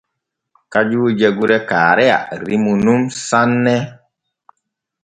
Kajuuje gure Kaareya rimu nun sanne.